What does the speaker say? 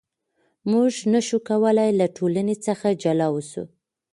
موږ نشو کولای له ټولنې څخه جلا اوسو.